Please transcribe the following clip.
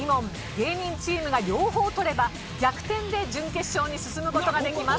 芸人チームが両方取れば逆転で準決勝に進む事ができます。